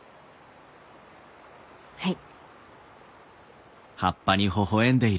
はい。